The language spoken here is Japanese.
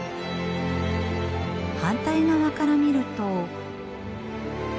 反対側から見ると。